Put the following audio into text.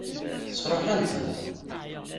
Sṛuḥen-t?